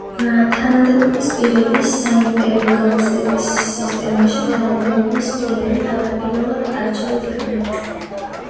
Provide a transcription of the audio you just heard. თანამდებობის პირები საიმპერიო გამოცდების სისტემაში თანამდებობის პირები თავდაპირველად არჩევით იყვნენ.